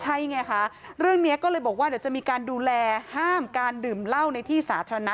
ใช่ไงคะเรื่องนี้ก็เลยบอกว่าเดี๋ยวจะมีการดูแลห้ามการดื่มเหล้าในที่สาธารณะ